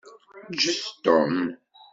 Ǧǧet Tom.